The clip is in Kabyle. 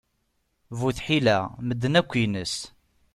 Bu tḥila, medden akk ines.